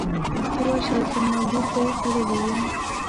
ته ورشه زما لور به یې خوړلې وي.